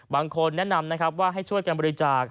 บางคนแนะนำว่าให้ช่วยการบริจาค